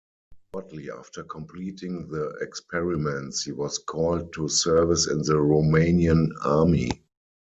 Shortly after completing the experiments, he was called to service in the Romanian army.